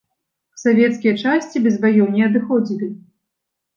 Савецкія часці без баёў не адыходзілі.